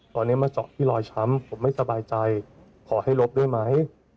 ตอนนี้มาเจาะที่รอยช้ำผมไม่สบายใจขอให้ลบด้วยไหม